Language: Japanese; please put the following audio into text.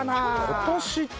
今年って。